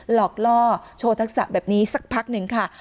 หลอกล่อโชคศักดิ์ศักดิ์แบบนี้สักพักหนึ่งค่ะ